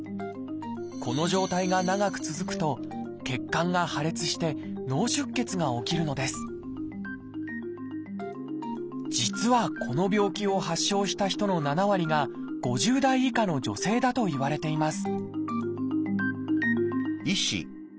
この状態が長く続くと血管が破裂して脳出血が起きるのです実はこの病気を発症した人の７割が５０代以下の女性だといわれています